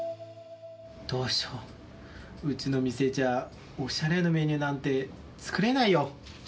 どうしよう、うちの店じゃ、おしゃれなメニューなんて作れないよ。